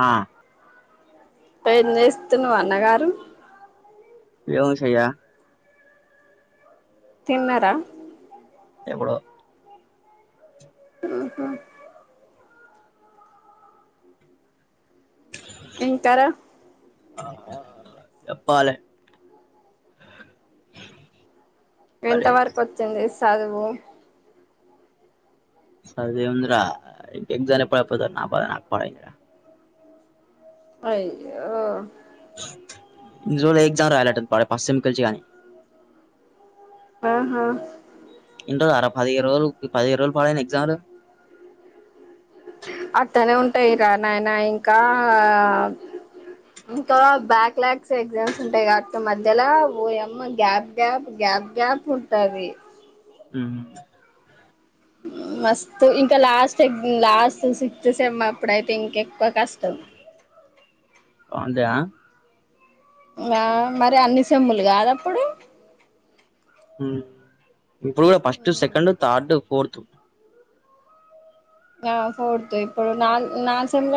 ఆ ఏం చేస్తున్నవ్ అన్నగారు ఏమో సెయ్యా తిన్నర ఎబుడో హ్ము హ్మూ ఇంకార హా చెప్పాలే ఎంత వరకు వచ్చింది చదువూ సదువేముందిరా ఎక్జామ్‌లెప్పుడు అయిపోతై అని నా బాద నాకు [unintelligible] అయ్యో జూలై ఎగ్జామ్ రాయాలట పాడై ఫస్ట్ [unintelligible] ఆ హా రెండు అర పదిహే రోజులుపదిహేన్ రోజలు పాాలను ఎగజామ్లు అట్టనే ఉంటాయి రా నాయనా ఇంకా, ఇంకా బ్యాక్ ల్యాగ్స్ ఎగ్జామ్స్ ఉంటాయి కాక మధ్యలో వోయమ్మ, గ్యాప్ గ్యాప్ గ్యాప్ గ్యాప్ ఉంటది. మ్మ్ మస్తు ఇంకా లాస్ట్ ఎగ్జ్ లాస్ట్ సిక్స్త్ సెమ్ అప్పుడైతే ఇంకెక్కువ కష్టం. వంతేయా ఆ మరి అన్ని సెమ్ములు కాదు అప్పుడు మ్మ్ ఇప్పుడు కూడా ఫస్ట్ సెకండ్ థర్డ్ ఫోర్త్ ఆ ఫడుత ఇప్పుడు న నాలు సంమ్ల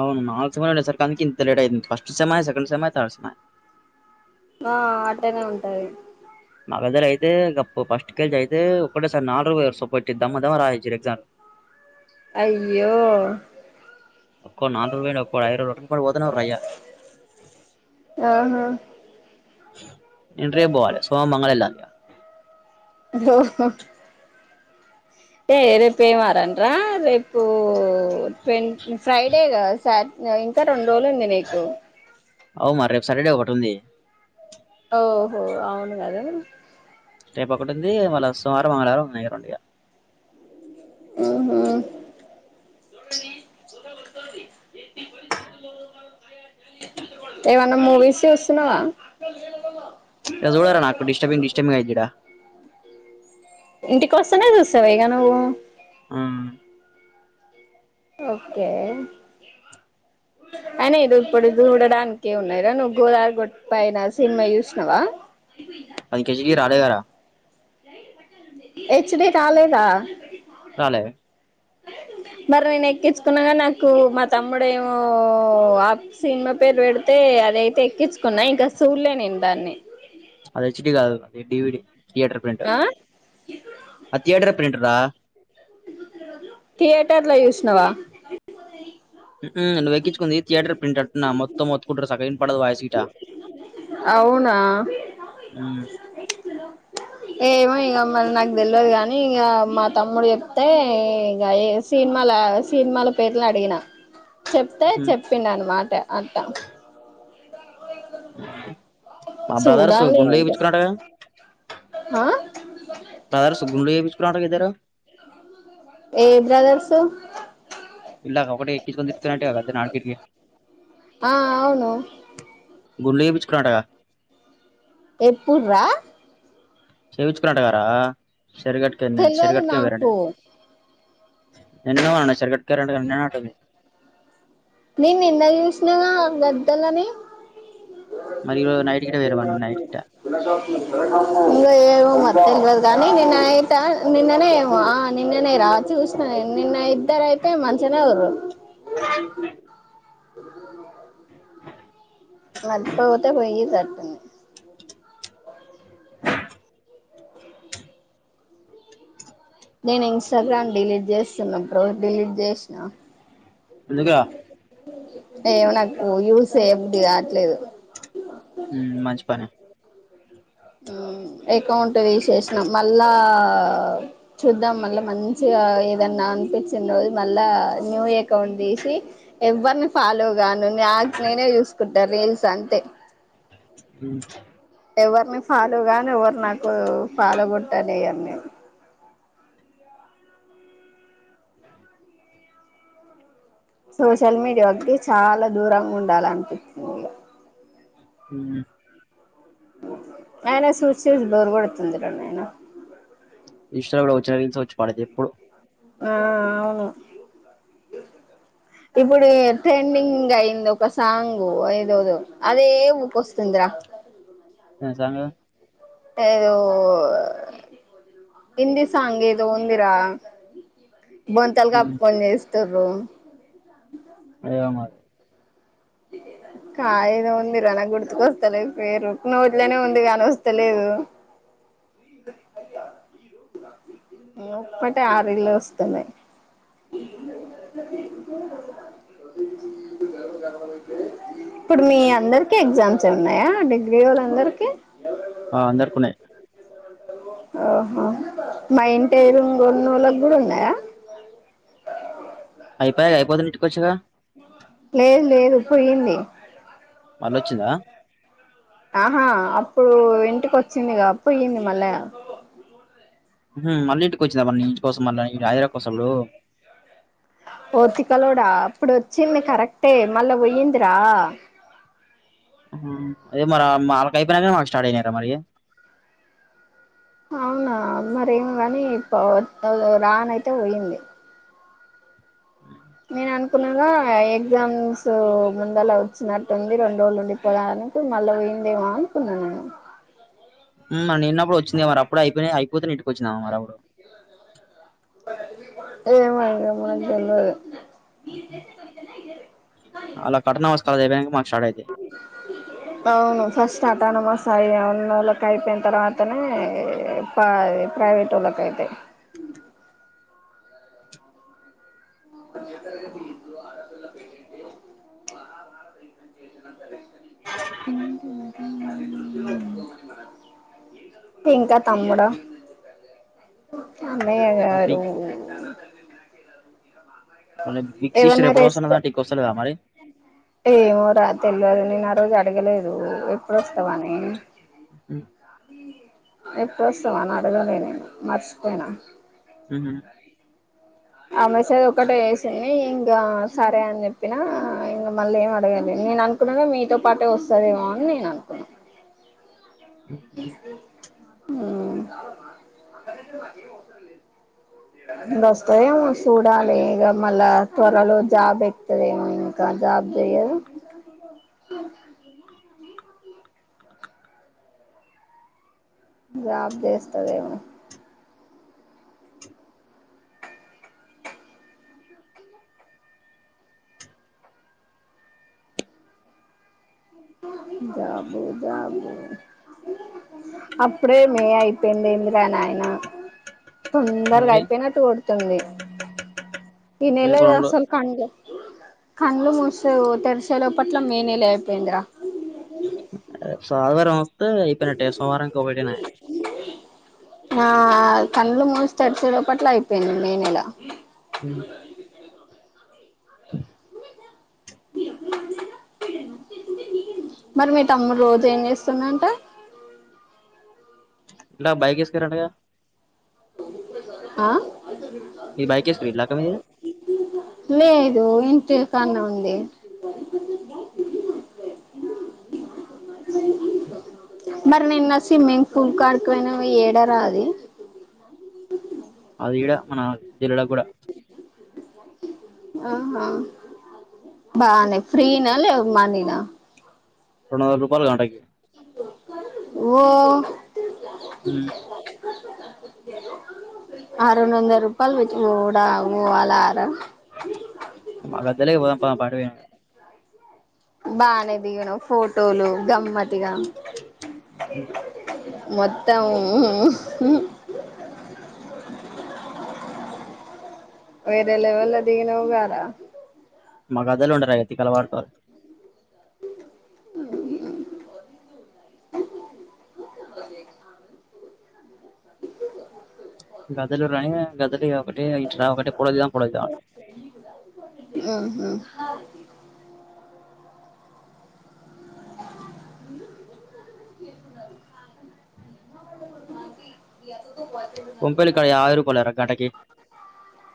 అవును నాలు స అ సార్ [unintelligible] నికి ఇంతయింది ఫస్ట సెకండ్ సెమ్డ్ సెమెయ్ ఆ అట్టనే ఉంటది ఆ పెగద్దగర అయితే గ ఫస్ట్ కేల్జ అయితే ఒకటేసారి నాలుగు సచ్చ దమ్మ దమ్మ రాయిచ్చారు ఎగ్జామ్ అయ్యో ఒక్కో నాలు రూపా ఒక్కో ఐ ర కూడాడు పోదున్నా రయ ఆహా ఆ ఎంటే పోవాలి సో మంగళ ఎలా అ ఓహ ఏ రేపు ఏ వారం రా రేపు ఫ్రైడేగా సాట్ ఇంకా రెండు రోలడి నకు అవు మరి రెబ్ సటర్డే ఒకటి ఉంది ఓహో అవును కద రేపు ఒకటి ఉంది మళ్ళ సుమారుారం మంగళారం ఉందిన్నాయిరడి హ ఏమన్నా మూవీస్ వస్తున్నావా చూడరా నాకు డిటర్బింగ్ డిస్టర్బింగ్ అయిదిడడా ఇంటికి వస్తానే చూస్తవిగా నువ్వు అవు ఓకే అయిన ఇది ఇప్పుడు చూడడానికి ఉన్నదా నువ్వు గోదరి గట్టు పైన సినిమా చూసినవా అదికజకి రాల కరా హెష్ డి రాలేదా రాలే మరి నేను ఎక్కించుకున్నాగా నాకు మా తమ్ముడుమో ఆ సినిమా పేరు పెడితే అదయితే ఎక్కించుకున్నా ఇంకా సూళ్లే నేను దాన్ని అది హెచ్డి కాదు అ డివిడి థియేటర్ ప్రింట్ ఆ ఆ థియేటర్ ప్రింట రా ట్టలా విష్ణవా ను [unintelligible] ఉంది థయేటర్ ప్రిట్ మొత్తం మత్తుకుంట సకం పద వయసుట్ [unintelligible] ఆ అవునా ఉమ్ ఏమో ఇగ మరి నాకు తెలియదు గానీ ఇగ మా తమ్ముడు చెప్తే ఇగ సినిమాలు సినిమాల పేర్లు అడిగిన చెప్తే ఉహు చెప్పిండ అన్నమాట అట్టా ఇందా మా బ్రదర్స్ చూడాలి గుండ్లు ఇంక చేయించుకున్నారట కదా ఆ బ్రదర్స్ గుండ్లు చేపించుకున్నరట కద ఇద్దరు ఏ బ్రదర్సు ఇందాక ఒకటి ఎక్కించుకొతినితిప్పుతున్నాట్టే వద్దునాడికిడికి ఆ అవును గుండ్లు చేపించుకున్నారంట కదా ఎప్పుడ్ రా చేయించుకున్నట రా చెరువ్గటుకిన్నె చెరువ్ తెల్వదు గట్టు కె పోయరండే నాకు ఎన్ను మన్న చరకట్ కారంట తిన్నా అట్ట ఉంది నిను నిన్న చూసినగ గద్దలని మరి ఈరోజు నైట్ గిట పోయిరమను నైట్ గిట ఇంగ ఏదో తెల్వదు కానీ నిన్న అయితే నిన్ననే ఏమో ఆ నిన్ననే రాత్రి చూసిన నిన్న ఇద్దరైతే మంచినే ఉర్రు నేన్ కట్టకపోతే పొయ్యి కట్టు నేన్ ఇన్స్టాగ్రామ్ డిలీట్ చేస్తున్నా బ్రో డిలీట్ చేసిన ఎందుకురా ఏమో నాకు యూస్ చేయబుద్ధి కాట్లేదు. మ్మ్ మంచి పనే మ్మ్ ఎకౌంట్ ఇట్ల చేసేషినం మళ్ళా ఆ చూద్దాం మళ్ళా మంచిగా ఏదన్నా అనిపించినోజు మళ్ళా న్యూ ఎకౌంట్ తీసి ఎవర్ని ఫాలో గాను నాకు నేనే చూసుకుంటా రీల్స్ అంతే. ఎవర్ని ఫాలో కాను ఎవర్ నాకు ఫాలో కొట్టనియ్యను నేను సోషల్ మీడియాకి చాలా దూరం ఉండాలనిపిచింది ఇగ. మ్మ్ అయినా చూసి చూసి బోర్ కొడుతుంది ర నాయన. ఇన్స్టాగ్రామ్ లో చిన్న రీల్స్ వచ్చి పాడేది ఎప్పుడు ఆ అవును. ఇప్పుడు ట్రెండింగ్ అయింది ఒక సాంగ్ ఏదో అదే ఊకోస్తుంది ర. నిజంగా ఏదో.... హిందీ సాంగ్ ఏదో ఉందిరా బొంతల్ కప్పుకొని చేస్తారు రోమ్ ఏమో మరి కాయద ఉంది రన గుర్తుక వస్తలే పేరు నోట్లోనే ఉంది కానీ వస్తలేదు అప్పటిే ఆరుళ్లు వస్తన్నాయి ఇప్పుడు మీ అందరికి ఎగ్జామ్స్ వచ్చే ఉన్నాయా డిగ్రీ వాళ్ళందరికీ ఆ అందరుకున్నాయి ఓహో మా ఇంటిరుంగొన్నోళకు కూడా ఉన్నాయా అయిపోయా అయిపోతుంది ఇంటికిొచ్చగా లేదు లేదు పోయింది మళ్ళొచ్చిందా ఆహా అప్పుడు ఇంటికి వచ్చిందిగా పోయ్యంది మళ్ళా ఊహూ మళ్ళీ ఇంటికి వచ్చిందా మళ్ళీ ఇంటికోసం మళ్ళీ [unintelligible] హదరా కోసండు కొత్తికలోడా అప్పుడు వచ్చింది కరెక్టే మళ్ళా పోయిందిరా అదే మరి మా వాళ్ళకు అయిపోయినాక మాకు స్టార్ట్ అయినారా మరి అవునా మరేమ కానీ ప రాన అయితే పోయింది అ [inaudible] నేను అనుకున్నాద ఎగ్జామ్స్ ముందలా వచ్చినట్టుంది రెండు రోజు ఉండిపోయాడానికి మళ్ళీ పోయిిందేమో అనుకున్నాను నేను ఉమ్ నిన్నప్పుడు వచ్చింది మరి అప్పుడు అయిపోయి అయిపోతే ఇంటిక వచ్చిందావా మరి అప్పుడు ఏమో ఇంగా మక్తేల్వదు మీరు చేసే పనికన్న ఇదే బెటర్ అలా కఠనా వస్ అదే బ్యాంక్ మాది అవును ఫస్ట్ శతానుమా సాయి వాళ్ళకి అయిపోయిన తర్వాతనే ప్రైవేట్ వాళ్ళకి అయితాయి [unintelligible] ఆడపిల్ల పెళ్ళంటే ఇంకా తమ్ముడా అన్నయ్య పాపి గారూ మళ్ళీ బిగ్ సిస్టర్ ఏవన్నా ఎప్పుడు రెస్త వస్తున్నదంటే ఇంక వస్తలేదా మరి ఏమో రాత్రుల్లో నే నా ఆరోజు అడగలేదు ఎప్పుడుస్తస్తవానే మ్మ్. ఎప్పుడు వస్తవ్ అని అడగలే నను మర్చిపోయిన ఊ అ మెసేజ్ ఒకక్కటే వేసింది ఇంకా సరే అని చెప్పినా ఇక మళ్ళీ ఏం అడగాలి నేను అనుకున్నాను మీతో పాటే వస్తుదేమో అని నేను అనుకున్నాను అ వస్తదేమో చూడాలి ఇక మళ్ళా త్వరలో జాబ్ ఎకుతుదేమో ఇంకా జాబ్ చెయ్యదు జాబ్ చేస్తదేమో జాబు జాబు అప్పుడే మే అయిపోయింది ఇంద్రా నాయన తొందరగా మరి అయిపోయినట్టు కొడుతుంది ఇ రేపు రెండు నెలసలు కంలే కండ్లు మూస తెరిసేలో పట్ల మేయిన్ెలే అయిపోయిందరా సధ వర అస్త ఈ ప నెట్టే సోవారం కోబడీన్య ఆ కండ్లు మూసి తెరిసే లోపట్ల అయిపోయింది మే నెల అ మరి మీ తమ్ముడు రోజు ఏం జేస్తుండంట ఇడ బైకిస్తరంటగా ఆ మీ బైక్ వేసుకురు ఇలాక మీది లే ఇదు ఇంతే కాన్న ఉంది అ మరి నిన్న సిమ్మింగ్ ఫూల్ కాడికిపోయినావు ఏడారా అది అది ఈడ మన జిల్లలో గూడా ఆహా బానే ఫ్రీనా లేవ్ మానీనా రెండొందల్ రూపాయలు గంటకి ఓ హ్మ్ ఆ రెండొంద రూపాలు పెట్టి నువు గూడా పోవాలార మాగద్దులే పోదాం పా పాండువే బానే దిగను ఫోటోలు గమ్మత్ తిగా మొత్తం వేరేలెవెల్ లో దిగినావ్ గారా మగదలు ఉండరయే తిక్కల పడతారు అమ్ అమ్ ఇ గదులు రాని గదులిగ ఒకటే ఇచ్చిన ఒకటే పోటో దిగుదాం పోటో దిగుదాం అంటది మ్మ్ కొంపలు ఇక్కడ యాభై రూపాయలురా గంటకి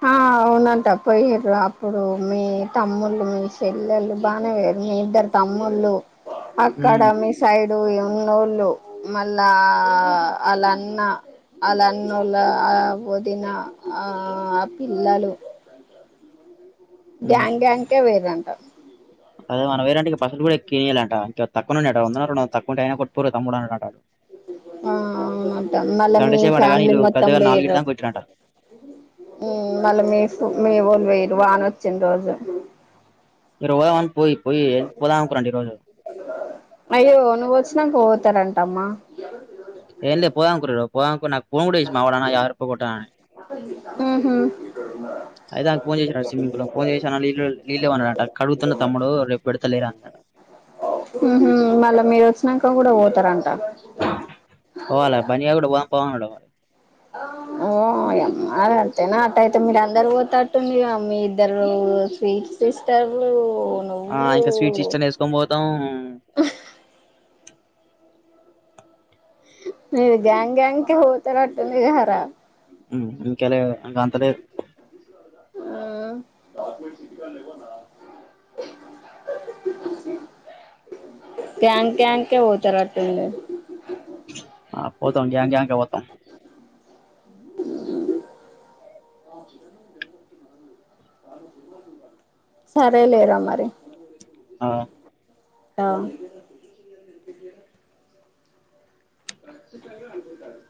ఆ అవునంట పొయ్యిర్రు అప్పుడు మీ తమ్ముళ్ళు మీ సెల్లెళ్ళు బానే పోయారు మీ ఇద్దరు తమ్ముళ్ళు అకాడమీ సైడ్ ఇడు ఉన్నోళ్ళు మళ్ళా అలన్న అలన్నూల వదిన ఆ పిల్లలు గ్యాంగ్ గ్యాంగ్ కే వేరంట. అదే మన వేరంట్ కి పసుపు కూడా ఎక్కిఇయాలంట ఇట్లా పక్కనుండేటవిఅన్న వంద రెండు వందలు తక్కుఉంటాయ్ ఐనా పోరా తమ్ముడా అని అడుగతాడు. ఆ అవును మళ్ళ గంట మీ సేపు అట కానీ ఫ్యామిలీ వీళ్ళు మొత్తం గద్దె గారు నాలుగిటి వేయ్యరు దాకా కొట్టిరంట ఉమ్మ్ మళ్ళా మీ ఫు మీవోళ్ళువెయ్యరు. వాన వచ్చిన రోజు ఇరువన్ పోయి పోయి పోదాంకురండి ఈ రోజు అయ్యో నువ్వు వచ్చినాక పోతారంటమ్మా టేర్లే పోాం కు పోదంరు నాకు పోకముడేచ్చ మా అవడనా యారు ఇ పోయిాను ఉహు అయిధాక్ ఫోన్ చేస్రా ఆ స్విమ్మింగ్ పూల్ లో ఫోన్ చేసి అన [unintelligible] వీళ్ళు అన్నాట కవితల తమ్ముడు రేపు పెడుత లేడట ఉమ్మ్ మళ్ళా మీరు వచ్చినాక కూడా పోతారంట. పోవాల బన్నీ లేకుండా పోదాం పోదాం అంటే పోదాం. ఓ అమ్మా అంతేనా అట్ట అయితే మీరందర్ పోతేటుంది మీ ఇద్దరు స్వీట్ సిస్టరు [unintelligible] ఆ ఇంక స్వీట్స్ ఇష్టంన వేసుకొని పోతాం మీరు గ్యాంగ్ గ్యాంగ్ కి పోతనట్టుంది కదరా హు ఏకాలం అంతలేద్ ఆ క్యాన్ క్యాన్ కే పోతారట్టుంది. ఆ పోతాం జామకాయనికే పోతం. సరే లేరా మరి ఆ అవ్ ఖచ్చితంగా అనుకుంటారు.